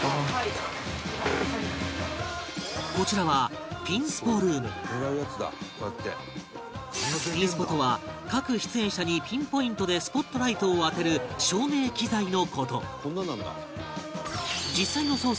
こちらはピンスポとは各出演者にピンポイントでスポットライトを当てる照明機材の事